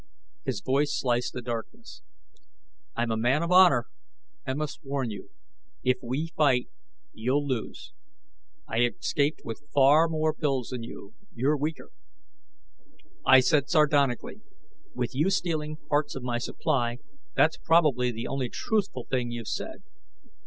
His voice sliced the darkness: "I'm a man of honor, and must warn you. If we fight, you'll lose. I escaped with far more pills than you; you're weaker." I said sardonically, "With you stealing parts of my supply, that's probably the only truthful thing you've said!"